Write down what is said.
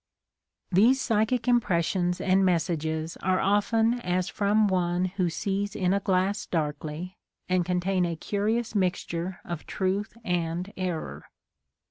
These psychic imxDressions and messages are often as from one who sees in a glass darkly and contain a curious mixture of truth and error.